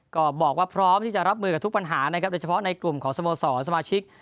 ก็บอกว่าพร้อมที่จะรับมือกับทุกปัญหานะครับโดยเฉพาะในกลุ่มของสโมสรสมาชิก